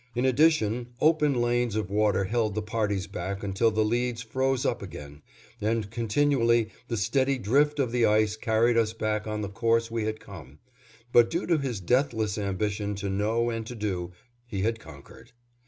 In addition, open lanes of water held the parties back until the leads froze up again, and continually the steady drift of the ice carried us back on the course we had come, but due to his deathless ambition to know and to do, he had conquered.